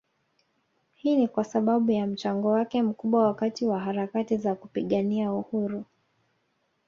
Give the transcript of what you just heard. Hii ni kwasababu ya mchango wake mkubwa wakati wa harakati za kupigania uhuru